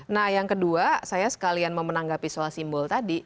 nah yang kedua saya sekalian mau menanggapi soal simbol tadi